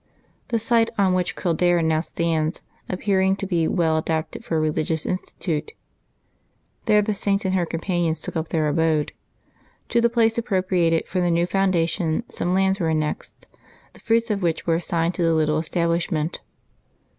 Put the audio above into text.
The site on which Kildare now stands appearing to be well adapted for a religious institute, there the Saint and her companions took up their abode. To the place appropriated for the new foundation some lands were annexed, the fruits of which were assigned to the little establishment.